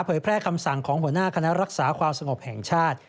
แพร่คำสั่งของหัวหน้าคณะรักษาความสงบแห่งชาติ